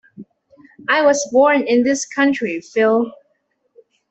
I was born in the country, Phil.